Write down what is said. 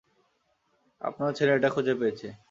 আপনার ছেলে এটা খুঁজে পেয়েছে।